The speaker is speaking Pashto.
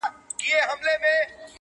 غوجله تياره فضا لري ډېره،